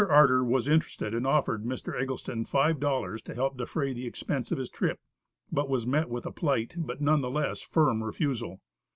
Arter was interested and offered Mr. Eggleston five dollars to help defray the expense of his trip, but was met with a polite but none the less firm refusal.